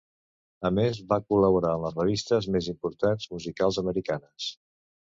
A més, va col·laborar en les revistes més importants musicals americanes.